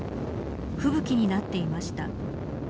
吹雪になっていました。